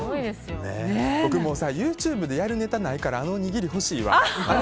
僕、ＹｏｕＴｕｂｅでやるネタないからあのおにぎり、欲しいわ。